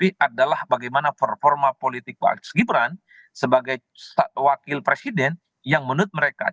tapi adalah bagaimana performa politik pak gibran sebagai wakil presiden yang menurut mereka